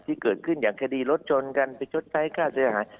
ที่เกิดขึ้นอย่างคดีรถชนกันไปชดใช้ค่าเสียหาย